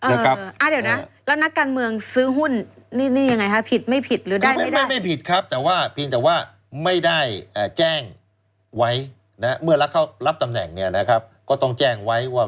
เอ้อเดี๋ยวนะแล้วนักการเมืองซื้อหุ้น